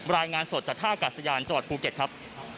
รายงานสดจากท่ากาศยานจังหวัดภูเก็ตครับ